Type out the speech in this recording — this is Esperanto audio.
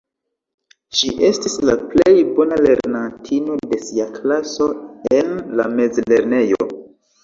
Ŝi estis la plej bona lernantino de sia klaso en la mezlernejo.